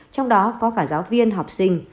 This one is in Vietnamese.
trong đó có cả giáo viên học sinh